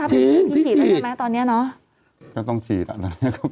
พี่ฉีดแล้วใช่ไหม